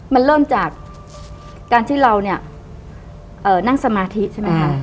มันเริ่มจากการที่เราเนี่ยนั่งสมาธิใช่ไหมคะ